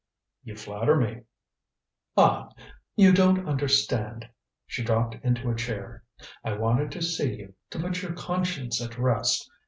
"You flatter me." "Ah you don't understand." She dropped into a chair. "I wanted to see you to put your conscience at rest.